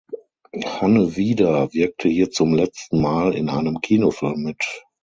Hanne Wieder wirkte hier zum letzten Mal in einem Kinofilm mit.